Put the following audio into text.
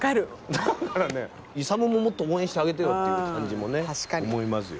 だからね勇ももっと応援してあげてよっていう感じもね思いますよね。